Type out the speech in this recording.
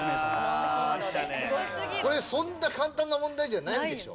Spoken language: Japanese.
これそんな簡単な問題じゃないんでしょ？